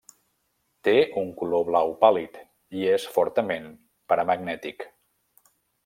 Té un color blau pàl·lid i és fortament paramagnètic.